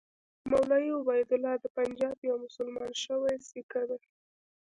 مولوي عبیدالله د پنجاب یو مسلمان شوی سیکه دی.